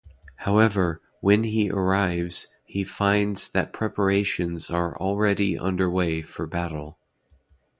However, when he arrives, he finds that preparations are already underway for battle.